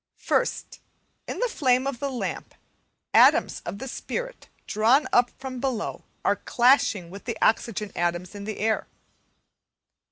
First, in the flame of the lamp, atoms of the spirit drawn up from below are clashing with the oxygen atoms in the air.